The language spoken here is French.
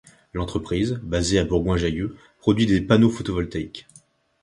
L'entreprise, basée à Bourgoin-Jallieu, produit des panneaux photovoltaïques.